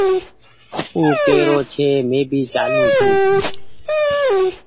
او ڪيرو ڇي ڪي مينٚ بي چآلون ڇو